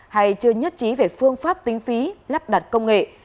hay chưa nhất trí về phương pháp tính phí lắp đặt công nghệ